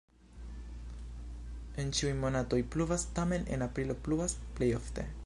En ĉiuj monatoj pluvas, tamen en aprilo pluvas plej ofte.